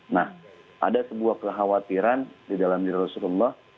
nah ada sebuah kekhawatiran di dalam diri rasulullah